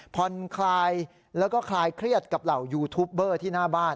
ผ่อนคลายแล้วก็คลายเครียดกับเหล่ายูทูปเบอร์ที่หน้าบ้าน